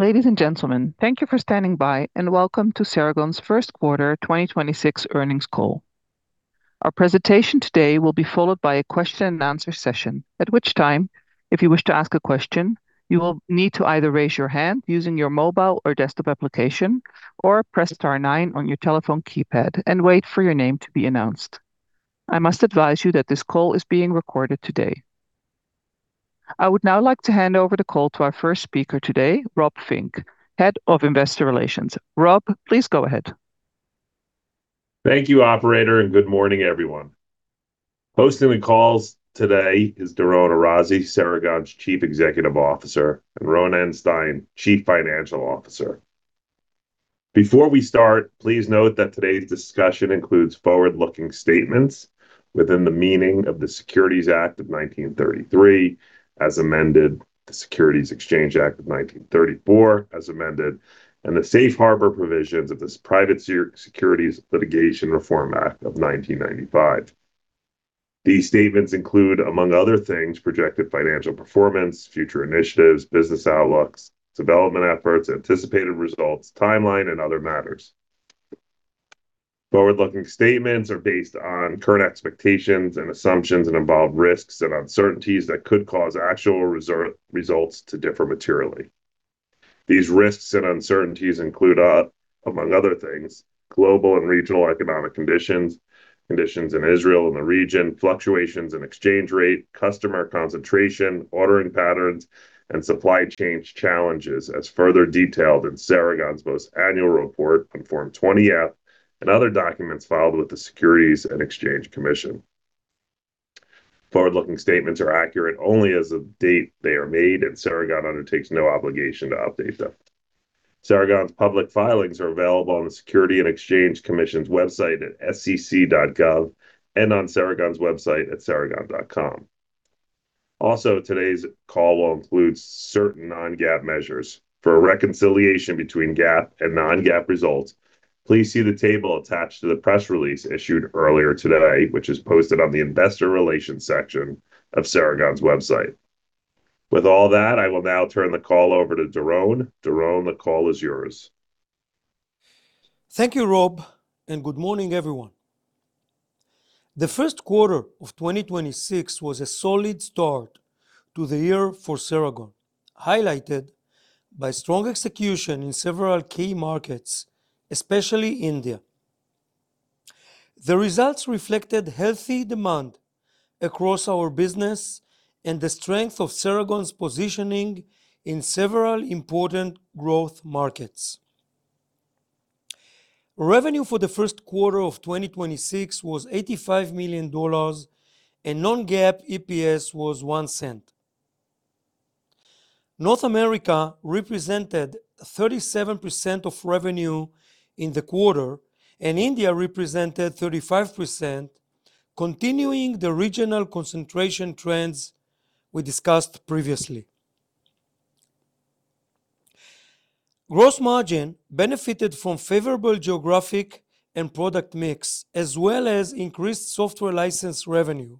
Ladies and gentlemen, thank you for standing by, and welcome to Ceragon's first quarter 2026 earnings call. Our presentation today will be followed by a question and answer session, at which time, if you wish to ask a question, you will need to either raise your hand using your mobile or desktop application or press star nine on your telephone keypad and wait for your name to be announced. I must advise you that this call is being recorded today. I would now like to hand over the call to our first speaker today, Rob Fink, head of investor relations. Rob, please go ahead. Thank you, operator, and good morning, everyone. Hosting the calls today is Doron Arazi, Ceragon's Chief Executive Officer, and Ronen Stein, Chief Financial Officer. Before we start, please note that today's discussion includes forward-looking statements within the meaning of the Securities Act of 1933, as amended, the Securities Exchange Act of 1934, as amended, and the safe harbor provisions of this Private Securities Litigation Reform Act of 1995. These statements include, among other things, projected financial performance, future initiatives, business outlooks, development efforts, anticipated results, timeline, and other matters. Forward-looking statements are based on current expectations and assumptions and involve risks and uncertainties that could cause actual results to differ materially. These risks and uncertainties include, among other things, global and regional economic conditions in Israel and the region, fluctuations in exchange rate, customer concentration, ordering patterns, and supply chains challenges, as further detailed in Ceragon's most annual report on Form 20-F and other documents filed with the Securities and Exchange Commission. Forward-looking statements are accurate only as of date they are made, and Ceragon undertakes no obligation to update them. Ceragon's public filings are available on the Securities and Exchange Commission's website at sec.gov and on Ceragon's website at ceragon.com. Today's call will include certain non-GAAP measures. For a reconciliation between GAAP and non-GAAP results, please see the table attached to the press release issued earlier today, which is posted on the investor relations section of Ceragon's website. With all that, I will now turn the call over to Doron. Doron, the call is yours. Thank you, Rob, and good morning, everyone. The first quarter of 2026 was a solid start to the year for Ceragon, highlighted by strong execution in several key markets, especially India. The results reflected healthy demand across our business and the strength of Ceragon's positioning in several important growth markets. Revenue for the first quarter of 2026 was $85 million, and non-GAAP EPS was $0.01. North America represented 37% of revenue in the quarter, and India represented 35%, continuing the regional concentration trends we discussed previously. Gross margin benefited from favorable geographic and product mix, as well as increased software license revenue.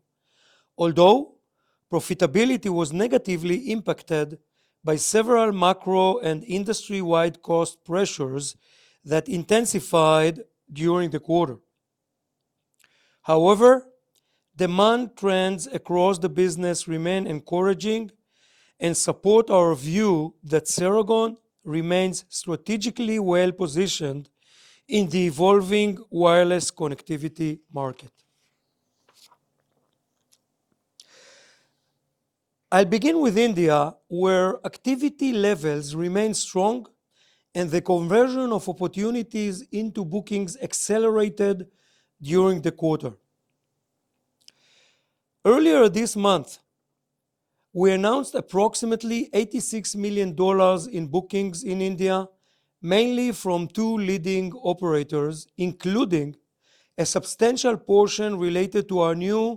Profitability was negatively impacted by several macro and industry-wide cost pressures that intensified during the quarter. Demand trends across the business remain encouraging and support our view that Ceragon remains strategically well-positioned in the evolving wireless connectivity market. I'll begin with India, where activity levels remain strong and the conversion of opportunities into bookings accelerated during the quarter. Earlier this month, we announced approximately $86 million in bookings in India, mainly from two leading operators, including a substantial portion related to our new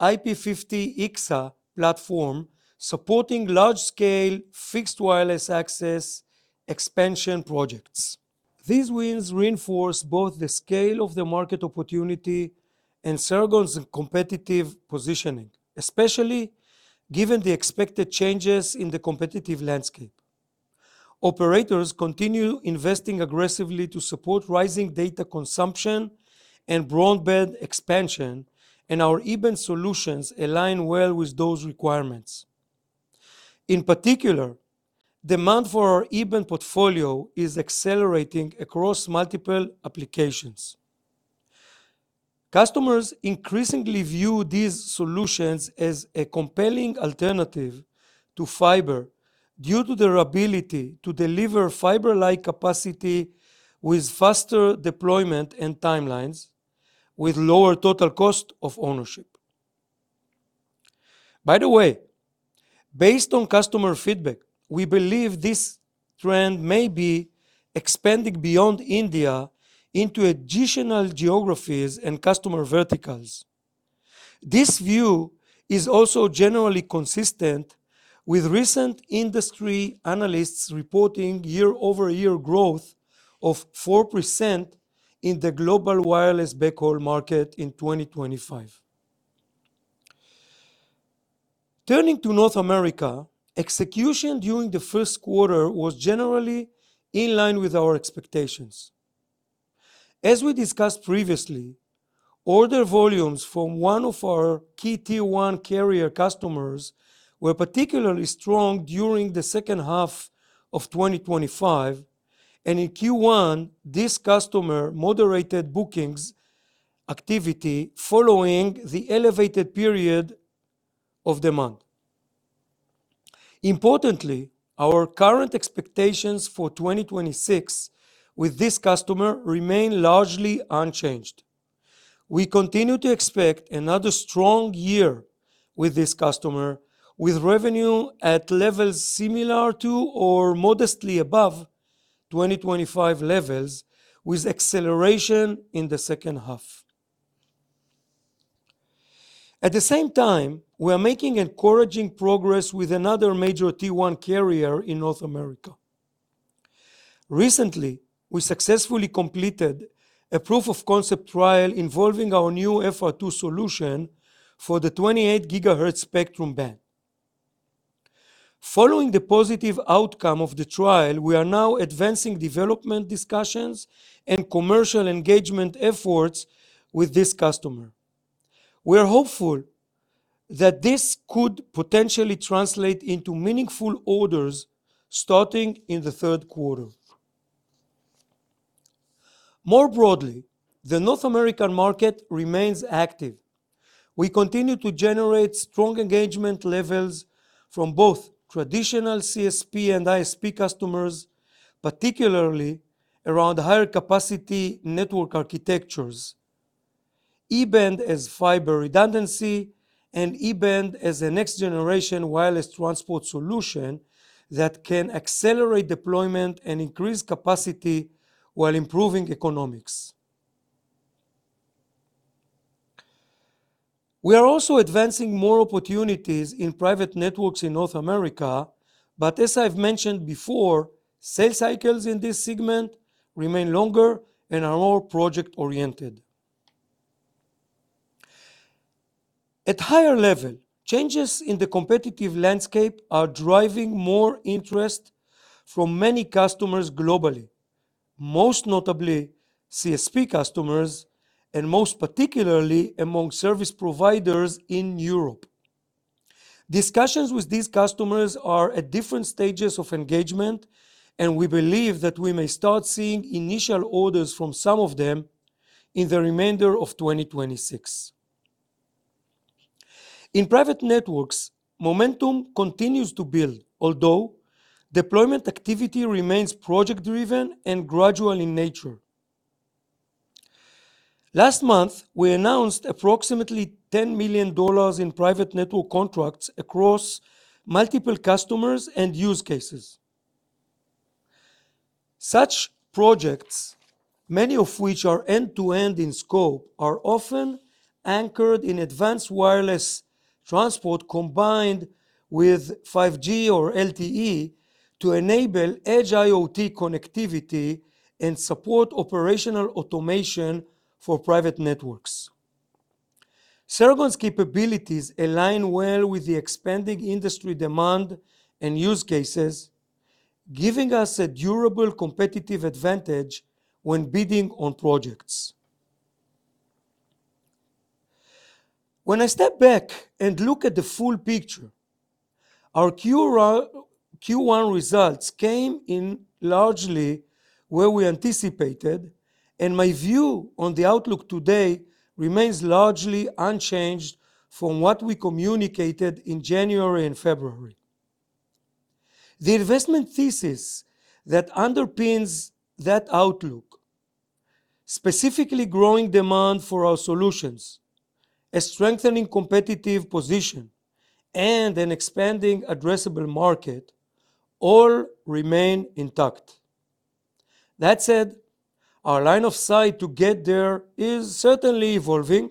IP-50EXA platform, supporting large-scale fixed wireless access expansion projects. These wins reinforce both the scale of the market opportunity and Ceragon's competitive positioning, especially given the expected changes in the competitive landscape. Operators continue investing aggressively to support rising data consumption and broadband expansion and our E-band solutions align well with those requirements. In particular, demand for our E-band portfolio is accelerating across multiple applications. Customers increasingly view these solutions as a compelling alternative to fiber due to their ability to deliver fiber-like capacity with faster deployment and timelines, with lower total cost of ownership. By the way, based on customer feedback, we believe this trend may be expanding beyond India into additional geographies and customer verticals. This view is also generally consistent with recent industry analysts reporting year-over-year growth of 4% in the global wireless backhaul market in 2025. Turning to North America, execution during the first quarter was generally in line with our expectations. As we discussed previously, order volumes from one of our key Tier 1 carrier customers were particularly strong during the second half of 2025, and in Q1, this customer moderated bookings activity following the elevated period of demand. Importantly, our current expectations for 2026 with this customer remain largely unchanged. We continue to expect another strong year with this customer, with revenue at levels similar to or modestly above 2025 levels, with acceleration in the second half. At the same time, we are making encouraging progress with another major Tier 1 carrier in North America. Recently, we successfully completed a proof of concept trial involving our new FR2 solution for the 28 GHz spectrum band. Following the positive outcome of the trial, we are now advancing development discussions and commercial engagement efforts with this customer. We are hopeful that this could potentially translate into meaningful orders starting in the third quarter. More broadly, the North American market remains active. We continue to generate strong engagement levels from both traditional CSP and ISP customers, particularly around higher capacity network architectures, E-band as fiber redundancy, and E-band as a next generation wireless transport solution that can accelerate deployment and increase capacity while improving economics. We are also advancing more opportunities in private networks in North America. As I've mentioned before, sales cycles in this segment remain longer and are more project-oriented. At a higher level, changes in the competitive landscape are driving more interest from many customers globally, most notably CSP customers and most particularly among service providers in Europe. Discussions with these customers are at different stages of engagement. We believe that we may start seeing initial orders from some of them in the remainder of 2026. In private networks, momentum continues to build, although deployment activity remains project-driven and gradual in nature. Last month, we announced approximately $10 million in private network contracts across multiple customers and use cases. Such projects, many of which are end-to-end in scope, are often anchored in advanced wireless transport combined with 5G or LTE to enable edge IoT connectivity and support operational automation for private networks. Ceragon's capabilities align well with the expanding industry demand and use cases, giving us a durable competitive advantage when bidding on projects. When I step back and look at the full picture, our Q1 results came in largely where we anticipated, and my view on the outlook today remains largely unchanged from what we communicated in January and February. The investment thesis that underpins that outlook, specifically growing demand for our solutions, a strengthening competitive position, and an expanding addressable market, all remain intact. That said, our line of sight to get there is certainly evolving,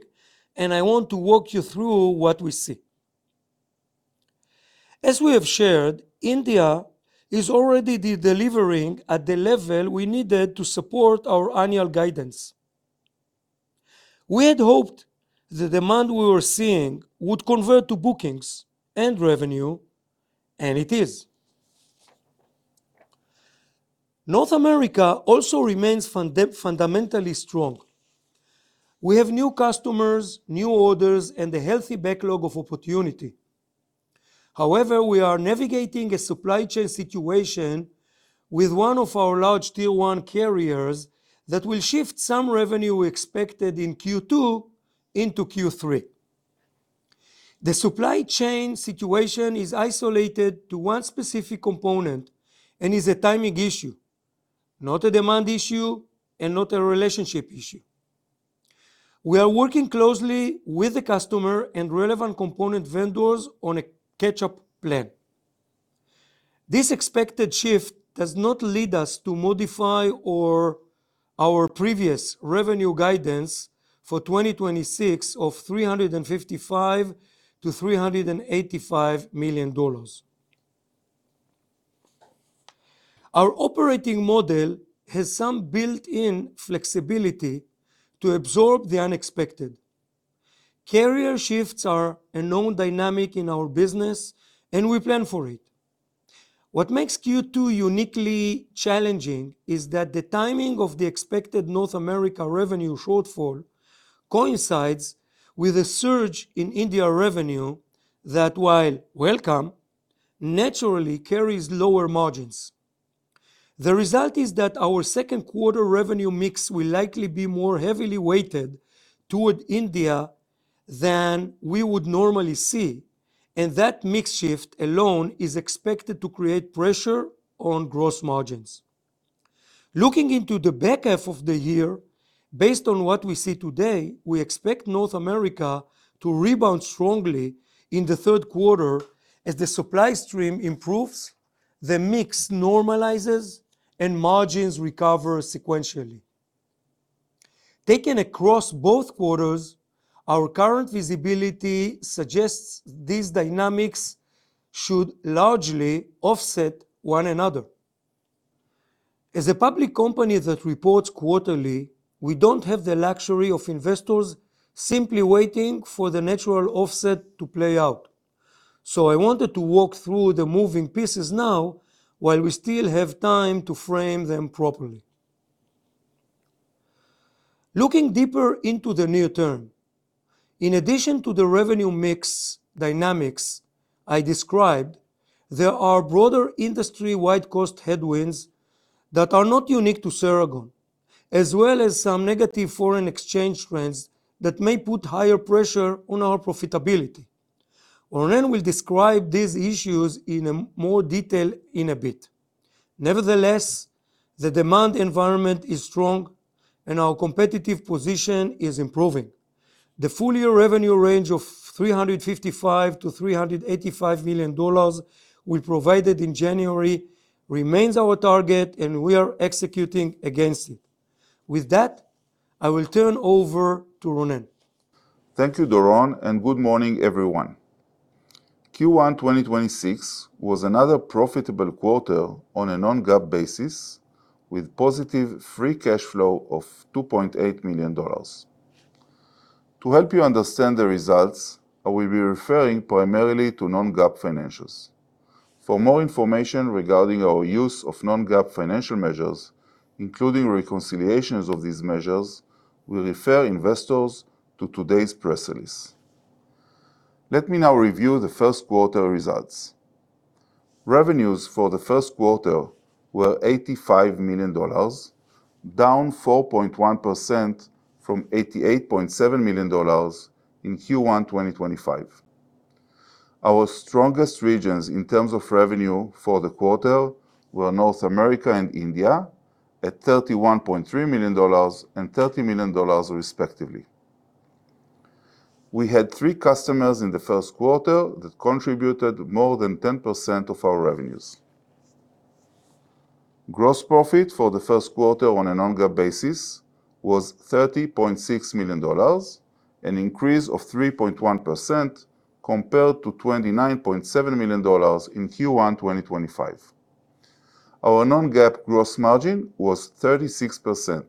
and I want to walk you through what we see. As we have shared, India is already delivering at the level we needed to support our annual guidance. We had hoped the demand we were seeing would convert to bookings and revenue, and it is. North America also remains fundamentally strong. We have new customers, new orders, and a healthy backlog of opportunity. However, we are navigating a supply chain situation with one of our large Tier 1 carriers that will shift some revenue expected in Q2 into Q3. The supply chain situation is isolated to one specific component and is a timing issue, not a demand issue and not a relationship issue. We are working closely with the customer and relevant component vendors on a catch-up plan. This expected shift does not lead us to modify or our previous revenue guidance for 2026 of $355 million-$385 million. Our operating model has some built-in flexibility to absorb the unexpected. Carrier shifts are a known dynamic in our business, and we plan for it. What makes Q2 uniquely challenging is that the timing of the expected North America revenue shortfall coincides with a surge in India revenue that, while welcome, naturally carries lower margins. The result is that our second quarter revenue mix will likely be more heavily weighted toward India than we would normally see, and that mix shift alone is expected to create pressure on gross margins. Looking into the back half of the year, based on what we see today, we expect North America to rebound strongly in the third quarter as the supply stream improves, the mix normalizes, and margins recover sequentially. Taken across both quarters, our current visibility suggests these dynamics should largely offset one another. As a public company that reports quarterly, we don't have the luxury of investors simply waiting for the natural offset to play out. I wanted to walk through the moving pieces now while we still have time to frame them properly. Looking deeper into the near term, in addition to the revenue mix dynamics I described, there are broader industry-wide cost headwinds that are not unique to Ceragon, as well as some negative foreign exchange trends that may put higher pressure on our profitability. Ronen will describe these issues in more detail in a bit. Nevertheless, the demand environment is strong and our competitive position is improving. The full year revenue range of $355 million-$385 million we provided in January remains our target, and we are executing against it. With that, I will turn over to Ronen. Thank you, Doron, and good morning, everyone. Q1 2026 was another profitable quarter on a non-GAAP basis, with positive free cash flow of $2.8 million. To help you understand the results, I will be referring primarily to non-GAAP financials. For more information regarding our use of non-GAAP financial measures, including reconciliations of these measures, we refer investors to today's press release. Let me now review the first quarter results. Revenues for the first quarter were $85 million, down 4.1% from $88.7 million in Q1 2025. Our strongest regions in terms of revenue for the quarter were North America and India at $31.3 million and $30 million, respectively. We had three customers in the first quarter that contributed more than 10% of our revenues. Gross profit for the first quarter on a non-GAAP basis was $30.6 million, an increase of 3.1% compared to $29.7 million in Q1 2025. Our non-GAAP gross margin was 36%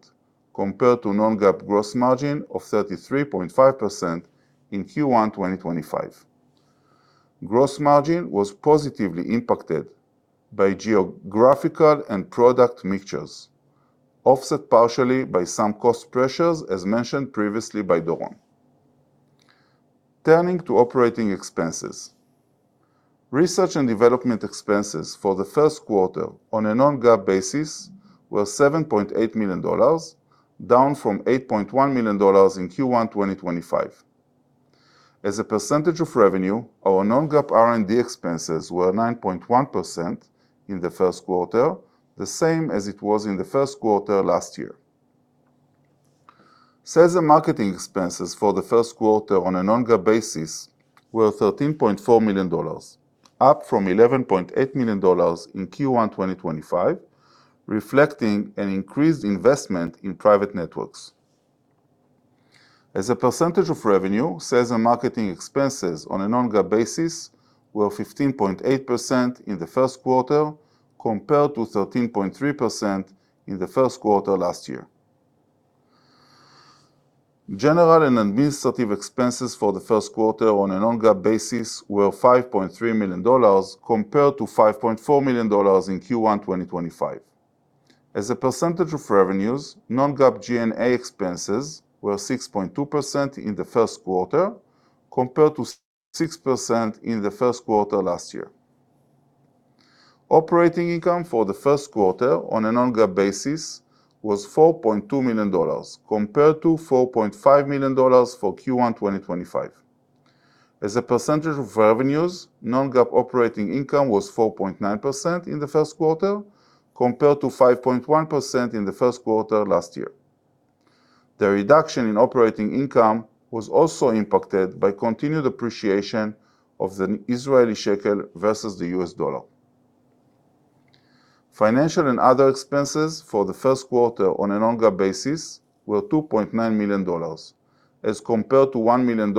compared to non-GAAP gross margin of 33.5% in Q1 2025. Gross margin was positively impacted by geographical and product mixtures, offset partially by some cost pressures, as mentioned previously by Doron. Turning to operating expenses. Research and development expenses for the first quarter on a non-GAAP basis were $7.8 million, down from $8.1 million in Q1 2025. As a percentage of revenue, our non-GAAP R&D expenses were 9.1% in the first quarter, the same as it was in the first quarter last year. Sales and marketing expenses for the first quarter on a non-GAAP basis were $13.4 million, up from $11.8 million in Q1 2025, reflecting an increased investment in private networks. As a percentage of revenue, sales and marketing expenses on a non-GAAP basis were 15.8% in the first quarter compared to 13.3% in the first quarter last year. General and administrative expenses for the first quarter on a non-GAAP basis were $5.3 million compared to $5.4 million in Q1 2025. As a percentage of revenues, non-GAAP G&A expenses were 6.2% in the first quarter compared to 6% in the first quarter last year. Operating income for the first quarter on a non-GAAP basis was $4.2 million compared to $4.5 million for Q1 2025. As a percentage of revenues, non-GAAP operating income was 4.9% in the first quarter compared to 5.1% in the first quarter last year. The reduction in operating income was also impacted by continued appreciation of the Israeli shekel versus the U.S. dollar. Financial and other expenses for the first quarter on a non-GAAP basis were $2.9 million as compared to $1 million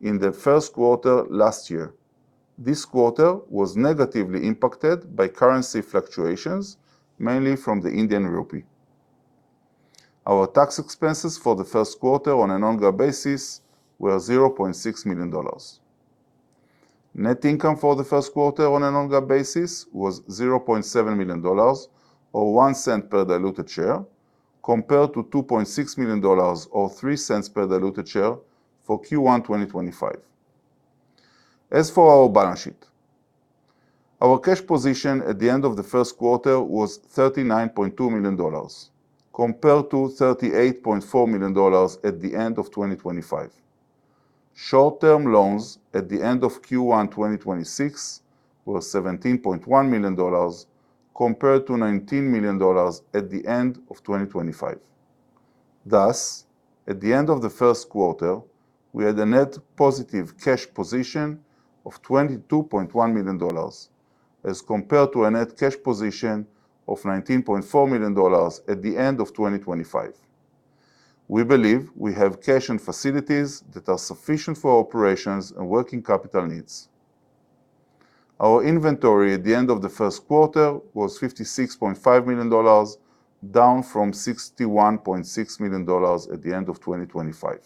in the first quarter last year, this quarter was negatively impacted by currency fluctuations, mainly from the Indian rupee. Our tax expenses for the first quarter on a non-GAAP basis were $0.6 million. Net income for the first quarter on a non-GAAP basis was $0.7 million or $0.01 per diluted share compared to $2.6 million or $0.03 per diluted share for Q1 2025. As for our balance sheet, our cash position at the end of the first quarter was $39.2 million compared to $38.4 million at the end of 2025. Short-term loans at the end of Q1 2026 was $17.1 million compared to $19 million at the end of 2025. Thus, at the end of the first quarter, we had a net positive cash position of $22.1 million as compared to a net cash position of $19.4 million at the end of 2025. We believe we have cash and facilities that are sufficient for operations and working capital needs. Our inventory at the end of the first quarter was $56.5 million, down from $61.6 million at the end of 2025.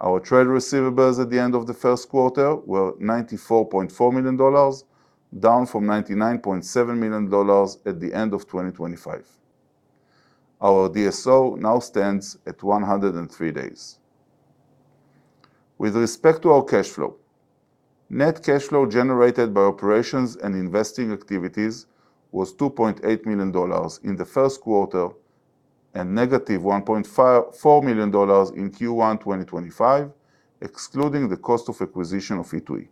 Our trade receivables at the end of the first quarter were $94.4 million, down from $99.7 million at the end of 2025. Our DSO now stands at 103 days. With respect to our cash flow, net cash flow generated by operations and investing activities was $2.8 million in the first quarter and -$1.4 million in Q1 2025, excluding the cost of acquisition of Siklu.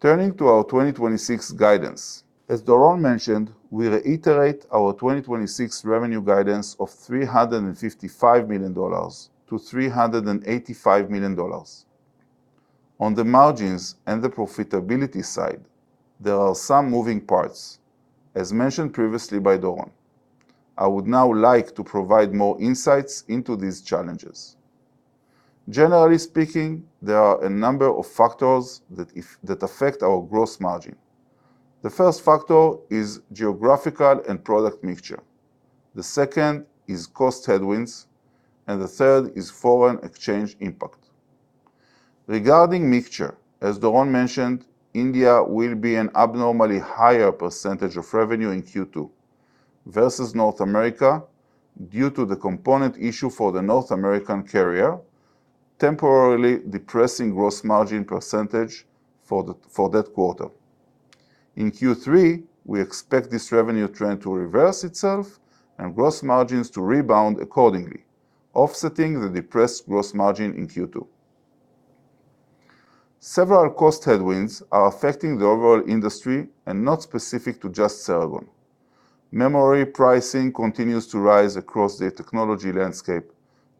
Turning to our 2026 guidance, as Doron mentioned, we reiterate our 2026 revenue guidance of $355 million-$385 million. On the margins and the profitability side, there are some moving parts, as mentioned previously by Doron. I would now like to provide more insights into these challenges. Generally speaking, there are a number of factors that affect our gross margin. The first factor is geographical and product mixture. The second is cost headwinds, and the third is foreign exchange impact. Regarding mixture, as Doron mentioned, India will be an abnormally higher percentage of revenue in Q2 versus North America due to the component issue for the North American carrier temporarily depressing gross margin percentage for that quarter. In Q3, we expect this revenue trend to reverse itself and gross margins to rebound accordingly, offsetting the depressed gross margin in Q2. Several cost headwinds are affecting the overall industry and not specific to just Ceragon. Memory pricing continues to rise across the technology landscape.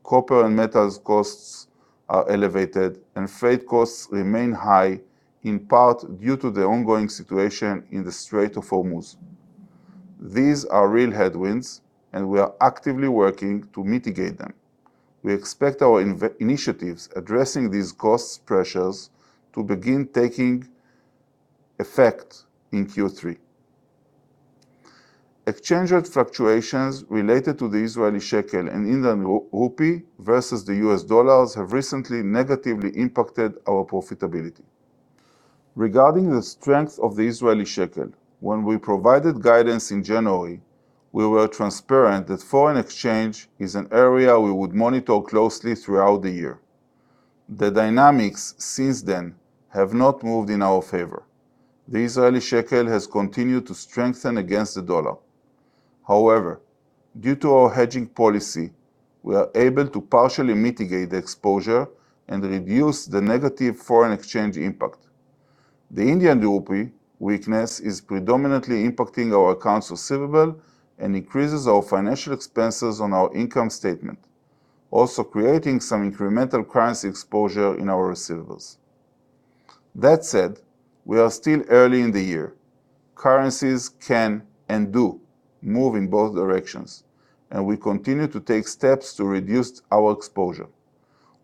Copper and metals costs are elevated, and freight costs remain high, in part due to the ongoing situation in the Strait of Hormuz. These are real headwinds, and we are actively working to mitigate them. We expect our initiatives addressing these cost pressures to begin taking effect in Q3. Exchange rate fluctuations related to the Israeli shekel and Indian rupee versus the U.S. dollars have recently negatively impacted our profitability. Regarding the strength of the Israeli shekel, when we provided guidance in January, we were transparent that foreign exchange is an area we would monitor closely throughout the year. The dynamics since then have not moved in our favor. The Israeli shekel has continued to strengthen against the U.S. dollar. However, due to our hedging policy, we are able to partially mitigate the exposure and reduce the negative foreign exchange impact. The Indian rupee weakness is predominantly impacting our accounts receivable and increases our financial expenses on our income statement, also creating some incremental currency exposure in our receivables. That said, we are still early in the year. Currencies can and do move in both directions, and we continue to take steps to reduce our exposure.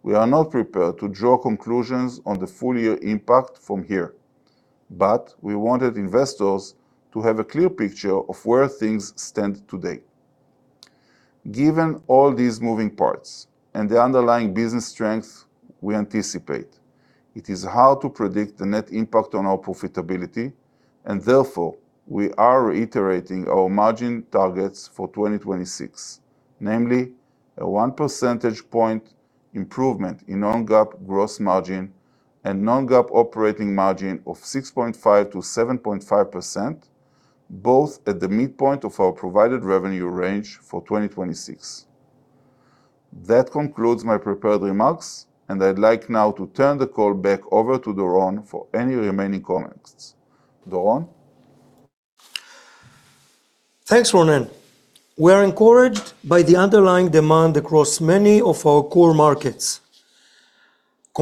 We are not prepared to draw conclusions on the full year impact from here, but we wanted investors to have a clear picture of where things stand today. Given all these moving parts and the underlying business strength we anticipate, it is hard to predict the net impact on our profitability, and therefore, we are reiterating our margin targets for 2026, namely a 1 percentage point improvement in non-GAAP gross margin and non-GAAP operating margin of 6.5%-7.5%, both at the midpoint of our provided revenue range for 2026. That concludes my prepared remarks, and I'd like now to turn the call back over to Doron for any remaining comments. Doron? Thanks, Ronen. We are encouraged by the underlying demand across many of our core markets.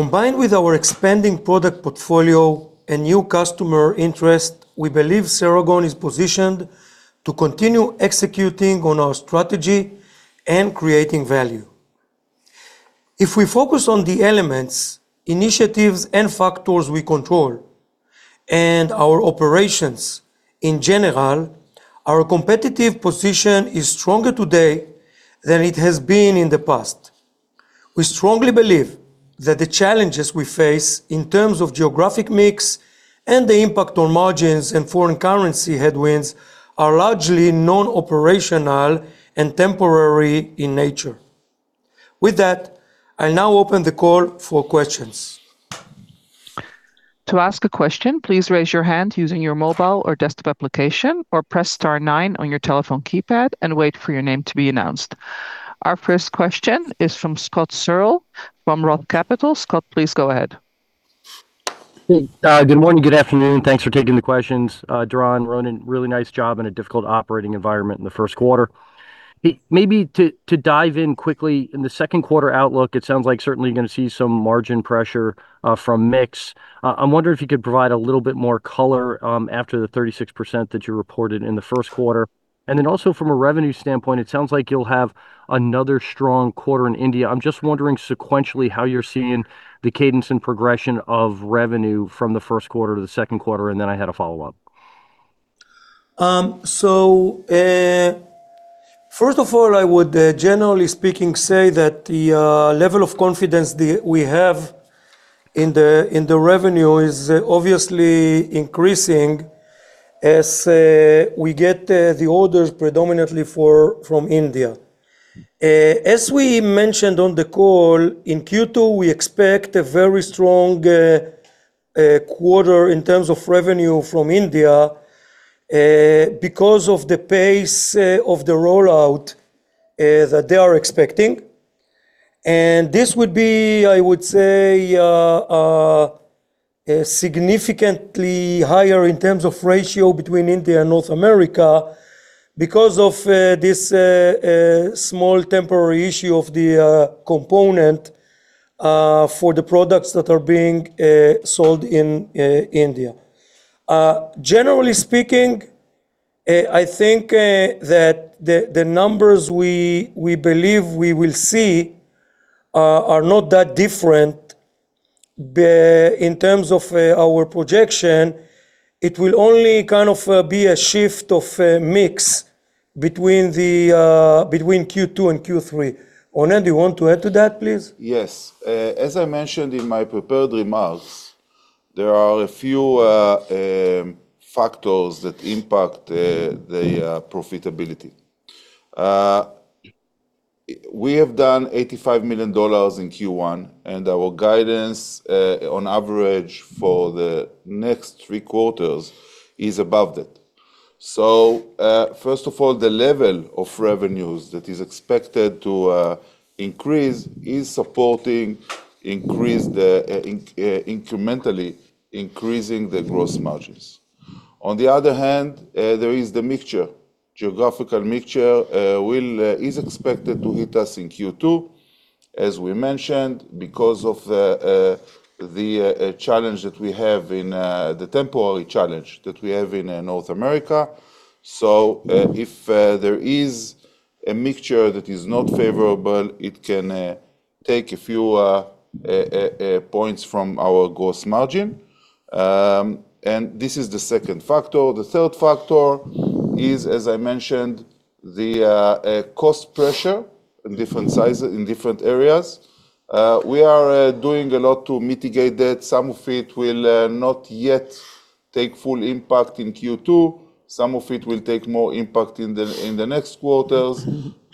Combined with our expanding product portfolio and new customer interest, we believe Ceragon is positioned to continue executing on our strategy and creating value. If we focus on the elements, initiatives, and factors we control, and our operations in general, our competitive position is stronger today than it has been in the past. We strongly believe that the challenges we face in terms of geographic mix and the impact on margins and foreign currency headwinds are largely non-operational and temporary in nature. With that, I'll now open the call for questions. To ask a question, please raise your hand using your mobile or desktop application or press star nine on your telephone keypad and wait for your name to be announced. Our first question is from Scott Searle from Roth Capital. Scott, please go ahead. Good morning, good afternoon. Thanks for taking the questions. Doron, Ronen, really nice job in a difficult operating environment in the first quarter. Maybe to dive in quickly, in the second quarter outlook, it sounds like certainly you're going to see some margin pressure from mix. I'm wondering if you could provide a little bit more color after the 36% that you reported in the first quarter. Also from a revenue standpoint, it sounds like you'll have another strong quarter in India. I'm just wondering sequentially how you're seeing the cadence and progression of revenue from the first quarter to the second quarter, and then I have a follow-up. First of all, I would generally speaking say that the level of confidence we have in the revenue is obviously increasing as we get the orders predominantly from India. As we mentioned on the call, in Q2, we expect a very strong quarter in terms of revenue from India because of the pace of the rollout that they are expecting. This would be, I would say, significantly higher in terms of ratio between India and North America because of this small temporary issue of the component for the products that are being sold in India. Generally speaking, I think that the numbers we believe we will see, are not that different in terms of our projection. It will only kind of be a shift of mix between Q2 and Q3. Ronen, do you want to add to that, please? Yes. As I mentioned in my prepared remarks, there are a few factors that impact the profitability. We have done $85 million in Q1, and our guidance on average for the next three quarters is above that. First of all, the level of revenues that is expected to increase is supporting increase the incrementally increasing the gross margins. On the other hand, there is the mixture. Geographical mixture is expected to hit us in Q2, as we mentioned, because of the challenge that we have in the temporary challenge that we have in North America. If there is a mixture that is not favorable, it can take a few points from our gross margin. This is the second factor. The third factor is, as I mentioned, the cost pressure in different sizes, in different areas. We are doing a lot to mitigate that. Some of it will not yet take full impact in Q2. Some of it will take more impact in the next quarters.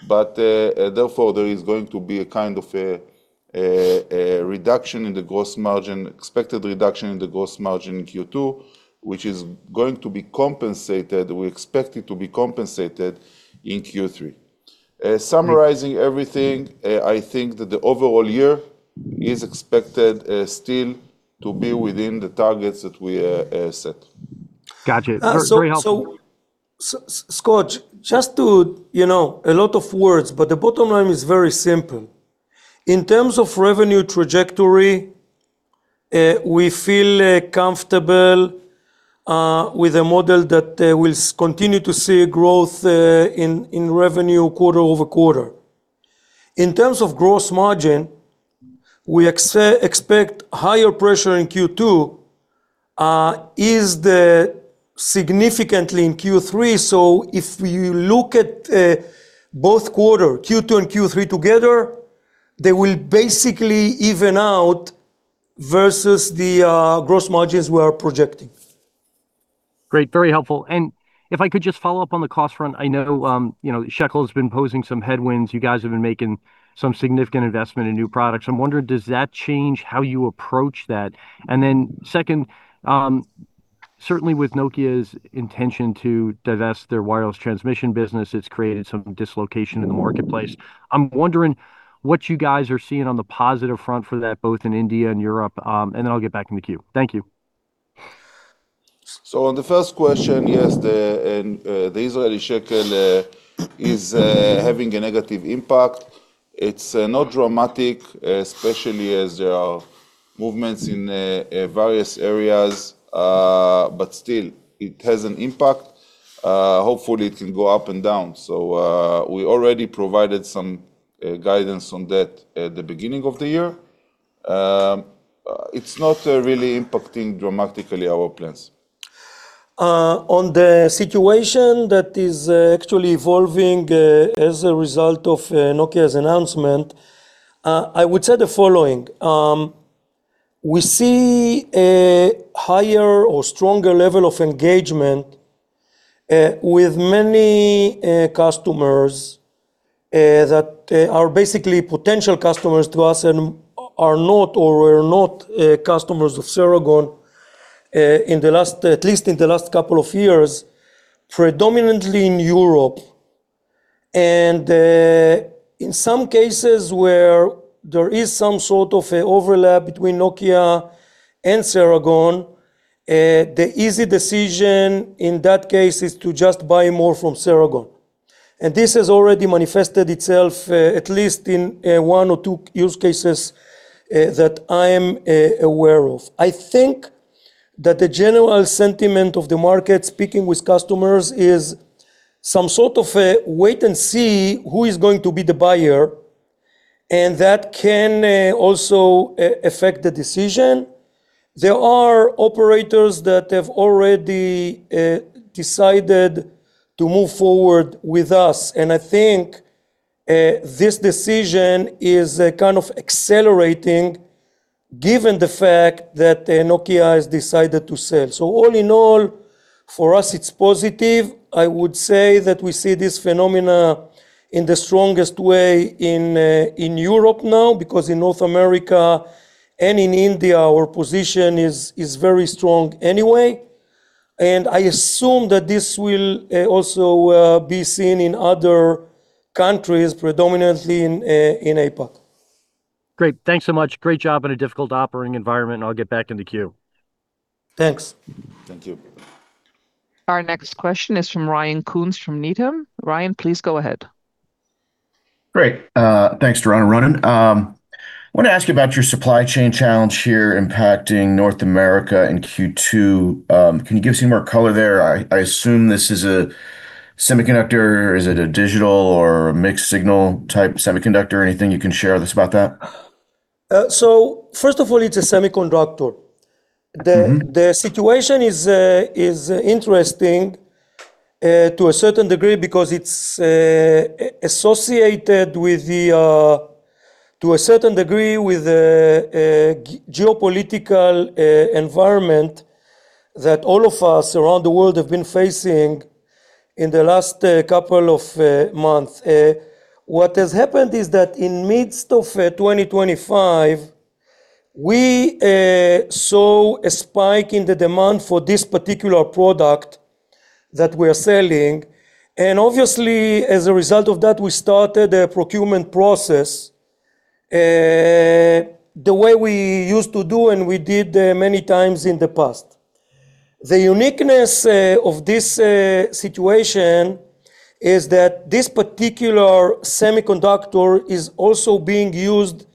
Therefore, there is going to be a kind of a reduction in the gross margin, expected reduction in the gross margin in Q2, which is going to be compensated, we expect it to be compensated in Q3. Summarizing everything, I think that the overall year is expected still to be within the targets that we set. Gotcha. Very helpful. Scott, just to, you know, a lot of words, the bottom line is very simple. In terms of revenue trajectory, we feel comfortable with a model that will continue to see growth in revenue quarter-over-quarter. In terms of gross margin, we expect higher pressure in Q2, is the significantly in Q3. If you look at both quarter, Q2 and Q3 together, they will basically even out versus the gross margins we are projecting. Great. Very helpful. If I could just follow up on the cost front. I know, you know, shekel has been posing some headwinds. You guys have been making some significant investment in new products. I'm wondering, does that change how you approach that? Second, certainly with Nokia's intention to divest their wireless transmission business, it's created some dislocation in the marketplace. I'm wondering what you guys are seeing on the positive front for that, both in India and Europe. I'll get back in the queue. Thank you. On the first question, yes, the Israeli shekel is having a negative impact. It's not dramatic, especially as there are movements in various areas. Still, it has an impact. Hopefully it will go up and down. We already provided some guidance on that at the beginning of the year. It's not really impacting dramatically our plans. On the situation that is actually evolving as a result of Nokia's announcement, I would say the following. We see a higher or stronger level of engagement with many customers that are basically potential customers to us and are not, or were not, customers of Ceragon, at least in the last couple of years, predominantly in Europe. In some cases where there is some sort of a overlap between Nokia and Ceragon, the easy decision in that case is to just buy more from Ceragon. This has already manifested itself at least in one or two use cases that I am aware of. I think that the general sentiment of the market speaking with customers is some sort of a wait and see who is going to be the buyer, and that can also affect the decision. There are operators that have already decided to move forward with us, and I think this decision is kind of accelerating given the fact that Nokia has decided to sell. All in all, for us, it's positive. I would say that we see this phenomena in the strongest way in Europe now, because in North America and in India, our position is very strong anyway. I assume that this will also be seen in other countries, predominantly in APAC. Great. Thanks so much. Great job in a difficult operating environment. I'll get back in the queue. Thanks. Thank you. Our next question is from Ryan Koontz from Needham. Ryan, please go ahead. Great. Thanks, Doron and Ronen. Wanna ask you about your supply chain challenge here impacting North America in Q2. Can you give us any more color there? I assume this is a semiconductor. Is it a digital or a mixed signal type semiconductor? Anything you can share with us about that? First of all, it's a semiconductor. The situation is interesting to a certain degree because it's associated to a certain degree with the geopolitical environment that all of us around the world have been facing in the last couple of months. What has happened is that in midst of 2025, we saw a spike in the demand for this particular product that we're selling, and obviously, as a result of that, we started a procurement process the way we used to do, and we did many times in the past. The uniqueness of this situation is that this particular semiconductor is also being used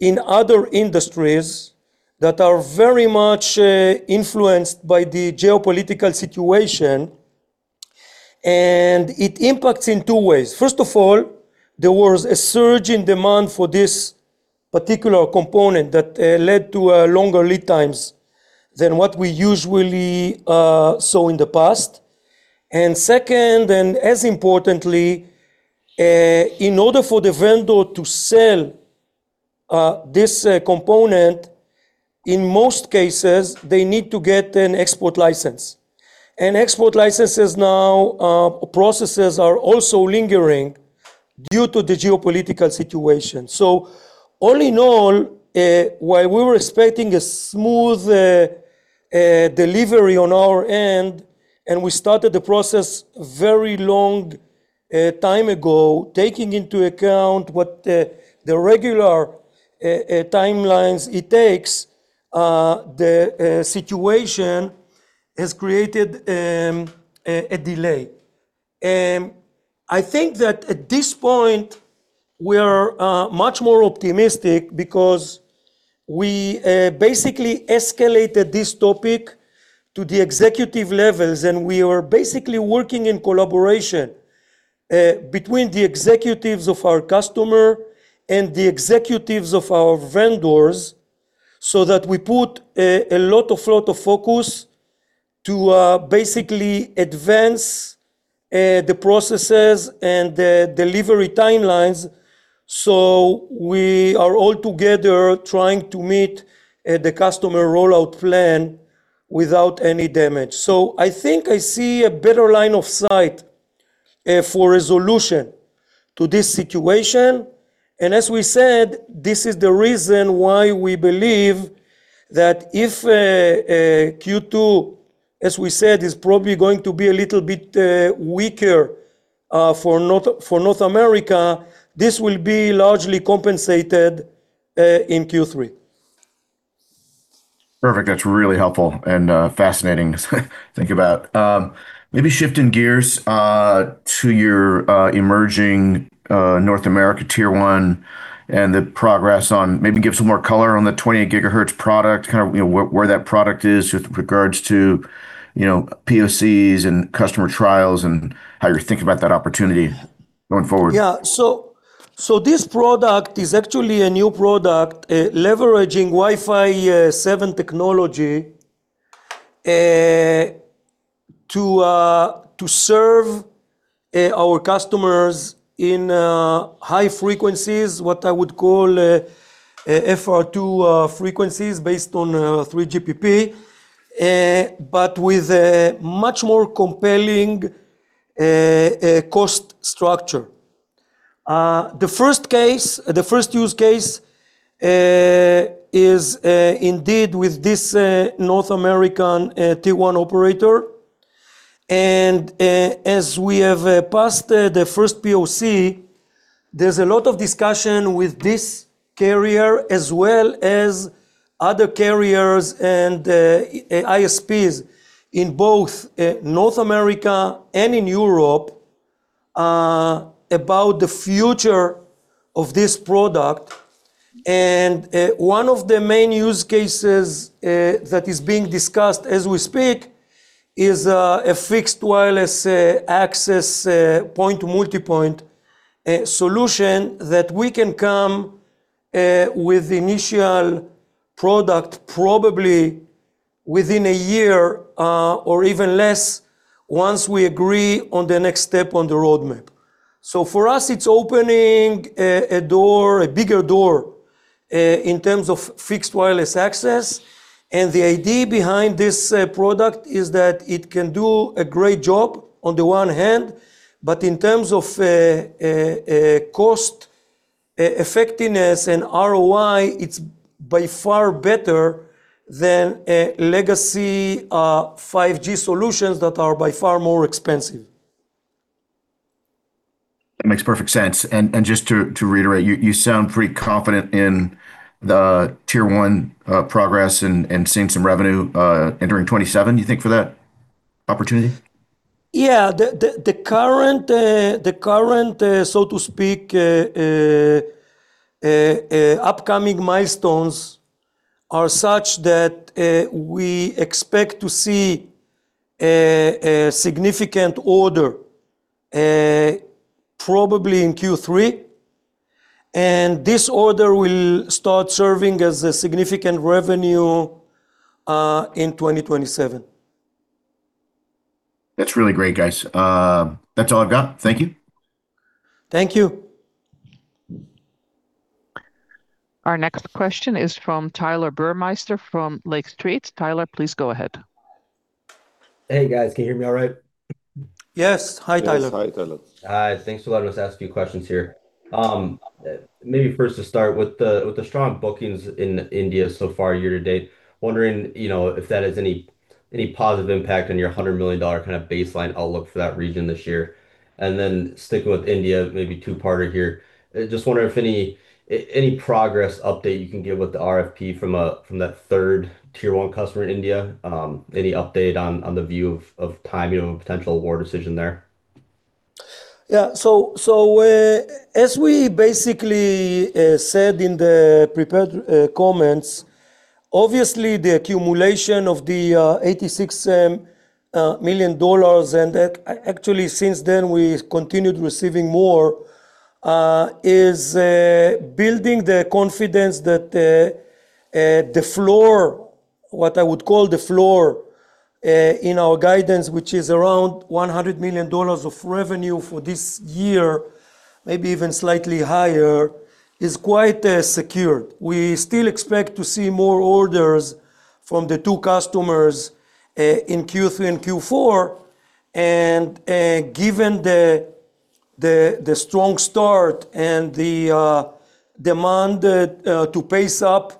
in other industries that are very much influenced by the geopolitical situation, and it impacts in two ways. First of all, there was a surge in demand for this particular component that led to longer lead times than what we usually saw in the past. Second, and as importantly, in order for the vendor to sell this component, in most cases, they need to get an export license. Export licenses now processes are also lingering due to the geopolitical situation. All in all, while we were expecting a smooth delivery on our end, and we started the process very long time ago, taking into account what the regular timelines it takes, the situation has created a delay. I think that at this point, we are much more optimistic because we basically escalated this topic to the executive levels, and we were basically working in collaboration between the executives of our customer and the executives of our vendors so that we put a lot of focus to basically advance the processes and the delivery timelines, so we are all together trying to meet the customer rollout plan without any damage. I think I see a better line of sight for resolution to this situation. As we said, this is the reason why we believe that if Q2, as we said, is probably going to be a little bit weaker for North America, this will be largely compensated in Q3. Perfect. That's really helpful and fascinating to think about. Maybe shifting gears to your emerging North America Tier 1 and maybe give some more color on the 28 GHz product, kind of, you know, where that product is with regards to, you know, POCs and customer trials and how you're thinking about that opportunity going forward. This product is actually a new product, leveraging Wi-Fi 7 technology to serve our customers in high frequencies, what I would call FR2 frequencies based on 3GPP. With a much more compelling cost structure. The first use case is indeed with this North American Tier 1 operator. As we have passed the first POC, there's a lot of discussion with this carrier as well as other carriers and ISPs in both North America and in Europe about the future of this product. One of the main use cases that is being discussed as we speak is a fixed wireless access multi-point solution that we can come with initial product probably within a year or even less once we agree on the next step on the roadmap. For us, it's opening a bigger door in terms of fixed wireless access. The idea behind this product is that it can do a great job on the one hand, but in terms of cost effectiveness and ROI, it's by far better than legacy 5G solutions that are by far more expensive. It makes perfect sense. Just to reiterate, you sound pretty confident in the Tier 1 progress and seeing some revenue entering 2027, you think for that opportunity? Yeah. The current, so to speak, upcoming milestones are such that we expect to see a significant order probably in Q3, and this order will start serving as a significant revenue in 2027. That's really great, guys. That's all I've got. Thank you. Thank you. Our next question is from Tyler Burmeister from Lake Street. Tyler, please go ahead. Hey, guys. Can you hear me all right? Yes. Hi, Tyler. Yes. Hi, Tyler. Hi. Thanks for letting us ask a few questions here. Maybe first to start, with the strong bookings in India so far year to date, wondering if that has any positive impact on your $100 million kind of baseline outlook for that region this year. Sticking with India, maybe two-parter here, just wondering if any progress update you can give with the RFP from that 3rd Tier 1 customer in India. Any update on the view of timing of a potential award decision there? As we basically said in the prepared comments, obviously the accumulation of the $86 million, and actually since then we continued receiving more, is building the confidence that the floor, what I would call the floor, in our guidance, which is around $100 million of revenue for this year, maybe even slightly higher, is quite secure. We still expect to see more orders from the two customers in Q3 and Q4. Given the strong start and the demand to pace up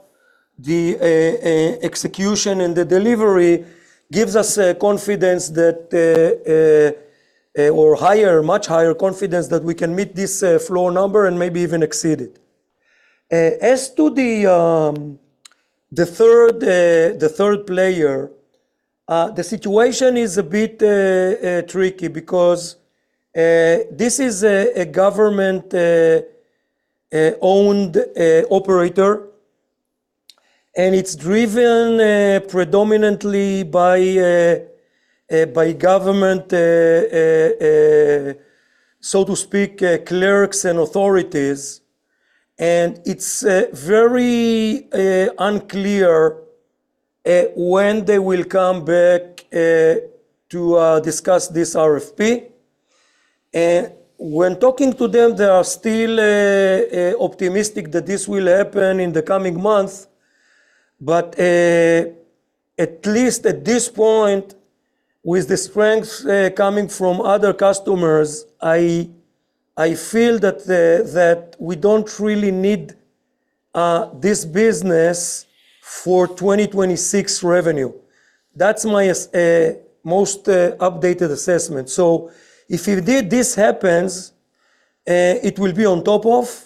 the execution and the delivery gives us confidence that or higher, much higher confidence that we can meet this floor number and maybe even exceed it. As to the third, the third player, the situation is a bit tricky because this is a government owned operator, and it's driven predominantly by government so to speak, clerks and authorities. It's very unclear when they will come back to discuss this RFP. When talking to them, they are still optimistic that this will happen in the coming months. At least at this point, with the strength coming from other customers, I feel that we don't really need this business for 2026 revenue. That's my most updated assessment. If indeed this happens, it will be on top of,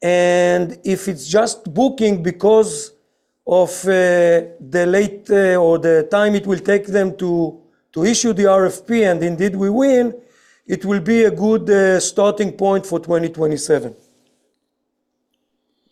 and if it's just booking because of the late or the time it will take them to issue the RFP, and indeed we win, it will be a good starting point for 2027.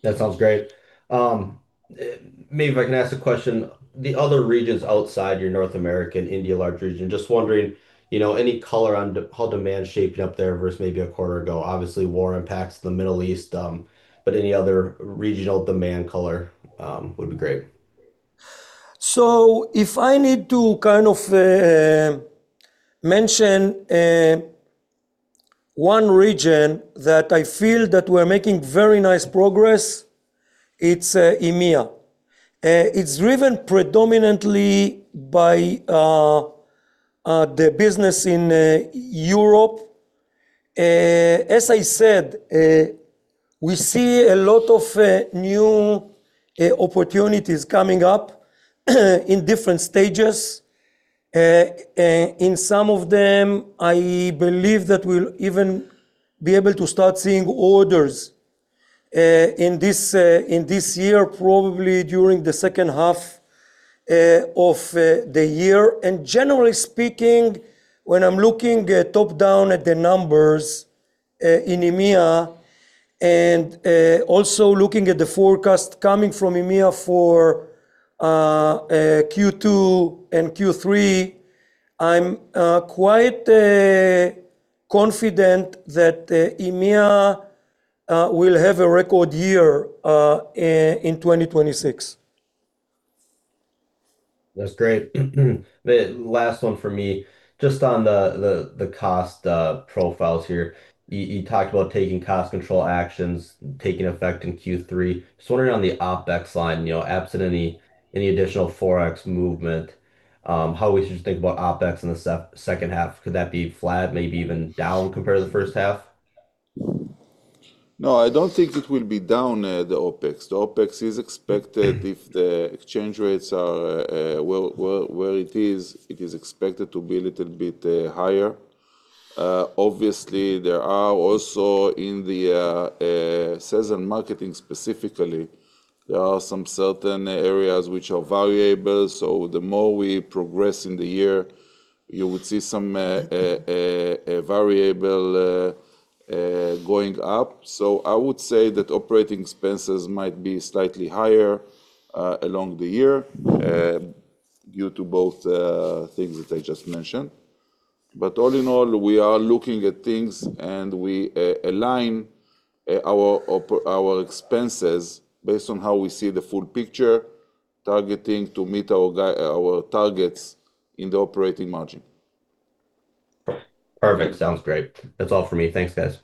That sounds great. Maybe if I can ask a question. The other regions outside your North American, India large region, just wondering, you know, any color on how demand's shaping up there versus maybe a quarter ago? Obviously, war impacts the Middle East, but any other regional demand color would be great. If I need to kind of mention one region that I feel that we're making very nice progress, it's EMEA. It's driven predominantly by the business in Europe. As I said, we see a lot of new opportunities coming up in different stages. In some of them, I believe that we'll even be able to start seeing orders in this year, probably during the second half of the year. Generally speaking, when I'm looking top-down at the numbers in EMEA and also looking at the forecast coming from EMEA for Q2 and Q3, I'm quite confident that EMEA will have a record year in 2026. That's great. The last one for me, just on the cost profiles here. You talked about taking cost control actions taking effect in Q3. Just wondering on the OpEx line, you know, absent any additional ForEx movement, how we should think about OpEx in the second half. Could that be flat, maybe even down compared to the first half? No, I don't think it will be down, the OpEx. The OpEx is expected, if the exchange rates are, well, where it is, it is expected to be a little bit higher. Obviously, there are also in the sales and marketing specifically, there are some certain areas which are variable, so the more we progress in the year, you would see some a variable going up. I would say that operating expenses might be slightly higher along the year due to both things that I just mentioned. All in all, we are looking at things and we align our expenses based on how we see the full picture, targeting to meet our targets in the operating margin. Perfect. Sounds great. That's all for me. Thanks, guys.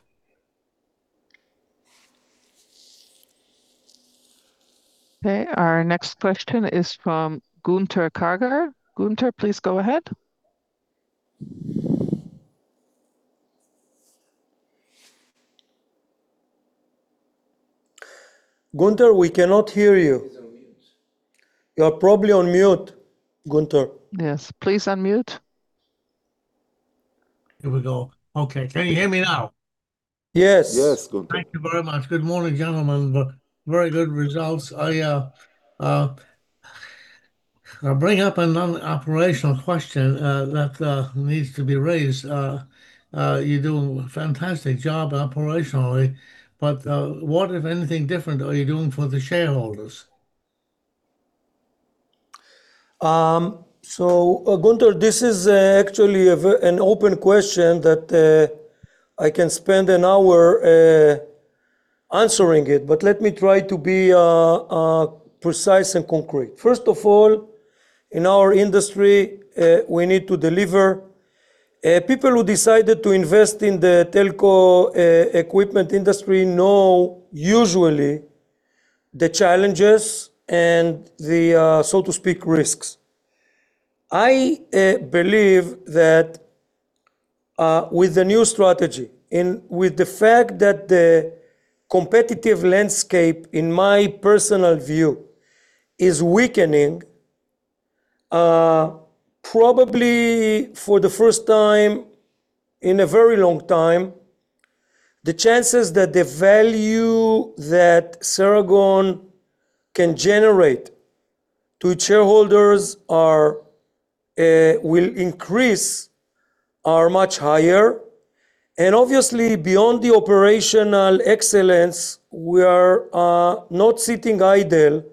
Okay. Our next question is from Gunther Karger. Gunther, please go ahead. Gunther, we cannot hear you. He's on mute. You're probably on mute, Gunther. Yes. Please unmute. Here we go. Okay. Can you hear me now? Yes. Yes, Gunther. Thank you very much. Good morning, gentlemen. Very good results. I'll bring up a non-operational question that needs to be raised. You do a fantastic job operationally. What, if anything different, are you doing for the shareholders? Gunther Karger, this is actually an open question that I can spend an hour answering it, but let me try to be precise and concrete. First of all, in our industry, we need to deliver. People who decided to invest in the telco equipment industry know usually the challenges and the so to speak, risks. I believe that with the new strategy and with the fact that the competitive landscape, in my personal view, is weakening, probably for the first time in a very long time, the chances that the value that Ceragon can generate to shareholders will increase are much higher. Obviously, beyond the operational excellence, we are not sitting idle,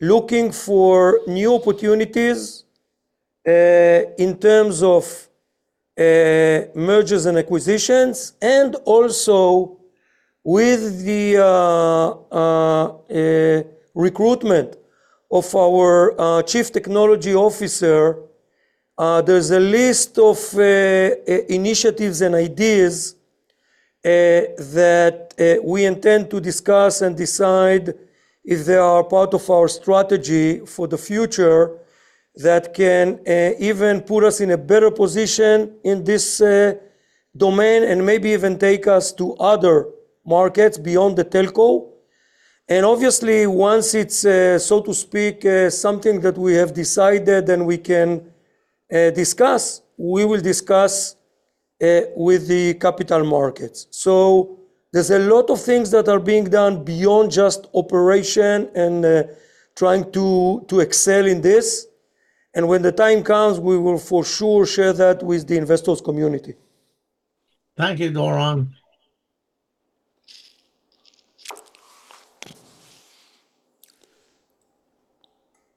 looking for new opportunities in terms of mergers and acquisitions. Also with the recruitment of our chief technology officer, there's a list of initiatives and ideas that we intend to discuss and decide if they are part of our strategy for the future that can even put us in a better position in this domain and maybe even take us to other markets beyond the telco. Obviously, once it's so to speak something that we have decided and we can discuss, we will discuss with the capital markets. There's a lot of things that are being done beyond just operation and trying to excel in this, and when the time comes, we will for sure share that with the investors community. Thank you, Doron.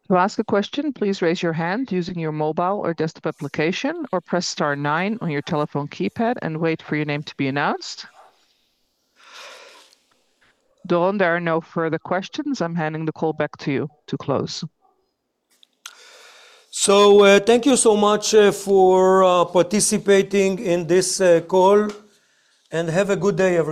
Doron, there are no further questions. I'm handing the call back to you to close. Thank you so much for participating in this call, and have a good day, everyone.